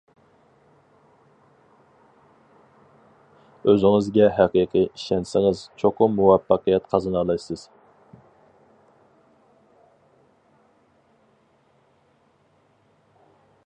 ئۆزىڭىزگە ھەقىقىي ئىشەنسىڭىز چوقۇم مۇۋەپپەقىيەت قازىنالايسىز.